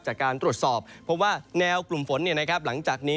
จากการตรวจสอบเพราะว่าแนวกลุ่มฝนหลังจากนี้